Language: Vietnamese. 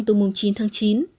từ mùng chín tháng chín